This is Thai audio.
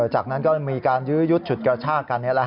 จากนั้นก็มีการยื้อยุดฉุดกระชากัน